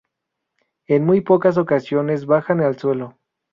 En muy pocas ocasiones bajan al suelo.